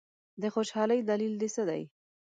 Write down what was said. د خوشالۍ دلیل دي څه دی؟